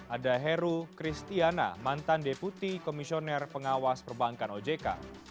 ada heru kristiana mantan deputi komisioner pengawas perbankan ojk